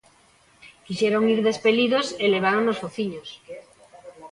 Quixeron ir de espelidos e levaron nos fociños.